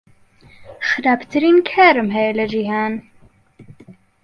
خراپترین کارم هەیە لە جیهان.